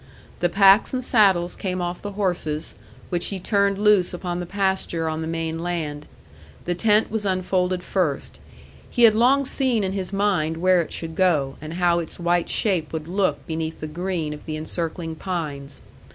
The packs and saddles came off the horses, which he turned loose upon the pasture on the main land. The tent was unfolded first. He had long seen in his mind where it should go, and how its white shape would look beneath the green of the encircling pines.